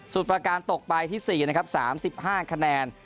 สูตรประการตกไปที่สี่นะครับสามสิบห้าคะแนน